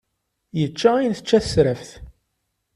Yečča ayen tečča tesraft.